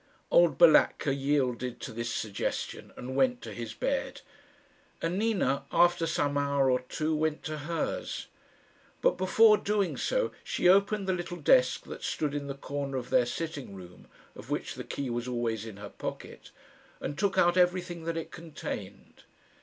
Old Balatka yielded to this suggestion, and went to his bed; and Nina, after some hour or two, went to hers. But before doing so she opened the little desk that stood in the corner of their sitting room, of which the key was always in her pocket, and took out everything that it contained.